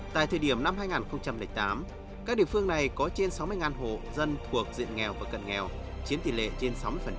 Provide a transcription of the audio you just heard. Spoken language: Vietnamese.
tại thời điểm năm hai nghìn tám các địa phương này có trên sáu mươi hộ dân thuộc diện nghèo và cận nghèo chiếm tỷ lệ trên sáu mươi